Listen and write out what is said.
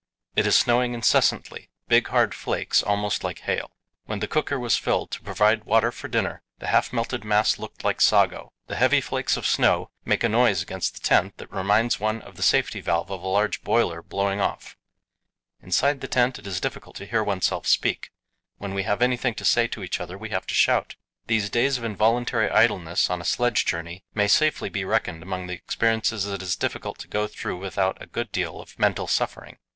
It is snowing incessantly big, hard flakes, almost like hail. When the cooker was filled to provide water for dinner, the half melted mass looked like sago. The heavy flakes of snow make a noise against the tent that reminds one of the safety valve of a large boiler blowing off: Inside the tent it is difficult to hear oneself speak; when we have anything to say to each other we have to shout. These days of involuntary idleness on a sledge journey may safely be reckoned among the experiences it is difficult to go through without a good deal of mental suffering.